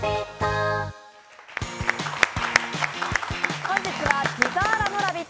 本日はピザーラのラヴィット！